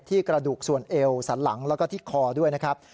กระดูกส่วนเอวสันหลังแล้วก็ที่คอด้วยนะครับ